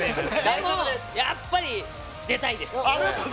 でも、やっぱり出たいです。